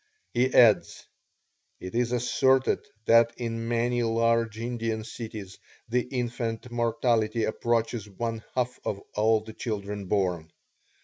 He adds: "It is asserted that in many large Indian cities the infant mortality approaches one half of all the children born.